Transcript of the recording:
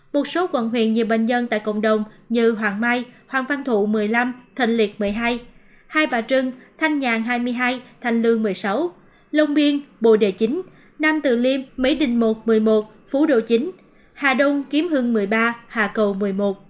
một số quận huyện nhiều bệnh nhân tại cộng đồng như hoàng mai hoàng văn thụ một mươi năm thành liệt một mươi hai hai bà trưng thanh nhàn hai mươi hai thanh lương một mươi sáu long biên bồ đề chính nam từ liêm mỹ đình một một mươi một phú độ chín hà đông kiếm hưng một mươi ba hà cầu một mươi một